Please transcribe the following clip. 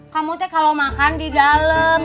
kamu ce kalau makan di dalem